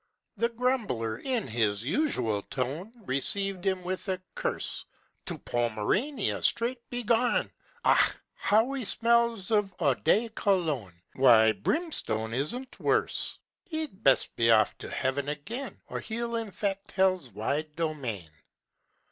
The grumbler, in his usual tone, Received him with a curse: "To Pomerania straight begone! Ugh! how he smells of eau de Cologne! Why, brimstone isn't worse. He'd best be off to heaven again, Or he'll infect hell's wide domain."